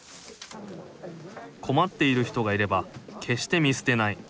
困っている人がいれば決して見捨てない。